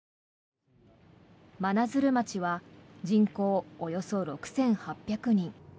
真鶴町は人口およそ６８００人。